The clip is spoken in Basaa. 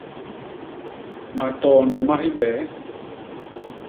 Matoonde ma hibee.